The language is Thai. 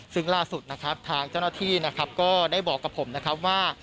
ซึ่งล่าสุดนะครับทางเจ้าหน้าที่นะครับก็ได้บอกกับผมนะครับว่า